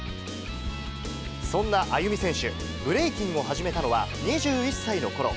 そんなアユミ選手、ブレイキンを始めたのは２１歳のころ。